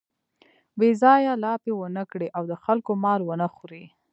بې ځایه لاپې و نه کړي او د خلکو مال و نه خوري.